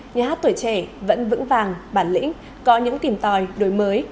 nhà hát tuổi trẻ vẫn vững vàng bản lĩnh có những tìm tòi đổi mới